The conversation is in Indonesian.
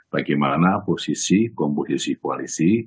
bagaimana posisi komposisi koalisi